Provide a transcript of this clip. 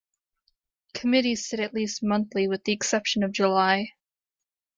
Committees sit at least monthly with the exception of July.